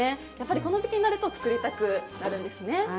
この時期になると作りたくなるんですね。